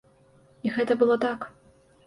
І гэта было так.